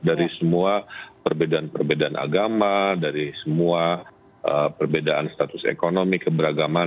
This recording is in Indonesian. dari semua perbedaan perbedaan agama dari semua perbedaan status ekonomi keberagaman